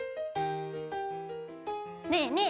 ねえねえ